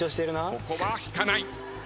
ここは引かない。